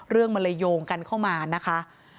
เรื่องมันเลยโยงกันเข้ามานะคะ